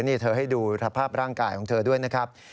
นี่เธอให้ดูสภาพร่างกายของเธอด้วยนะครับ